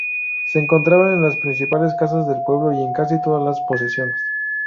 Se encontraban en las principales casas del pueblo y en casi todas las posesiones.